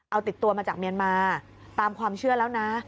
เอาติดตัวมาจากเมียนมาตามความเชื่อแล้วนะ